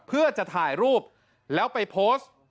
เพื่อจะถ่ายรูปแล้วไปโพสต์